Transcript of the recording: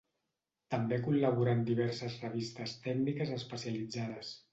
També col·laborà en diverses revistes tècniques especialitzades.